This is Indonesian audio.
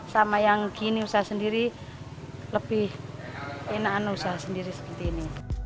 sama yang gini usaha sendiri lebih enakan usaha sendiri seperti ini